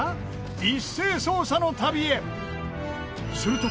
一斉捜査の旅へすると